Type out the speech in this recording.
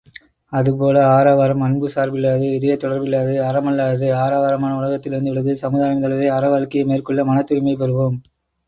அதுபோல ஆரவாரம் அன்புச்சார்பில்லாதது இதயத்தொடர்பில்லாதது அறமல்லாதது ஆரவாரமான உலகத்திலிருந்து விலகி, சமுதாயம் தழுவிய அறவாழ்க்கையை மேற்கொள்ள மனத்தூய்மை பெறுவோம்.